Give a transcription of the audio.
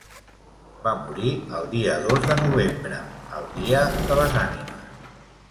Va morir el dia dos de novembre, el dia de les ànimes.